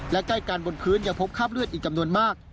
และใกล้กันบนพื้นยังพบคราบเลือดอีกจำนวนมาก